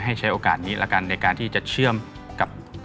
ใช้โอกาสนี้แล้วกันในการที่จะเชื่อมกับ